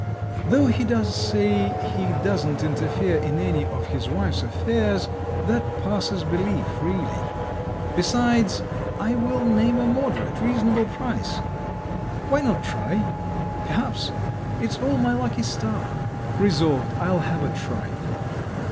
Though he does say he doesn't interfere in any of his wife's affairs, that passes belief, really! Besides, I will name a moderate, reasonable price! Why not try? Perhaps, it's all my lucky star…. Resolved! I'll have a try!"